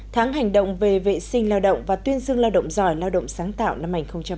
tháng hành động về vệ sinh lao động và tuyên dương lao động giỏi lao động sáng tạo năm hai nghìn một mươi chín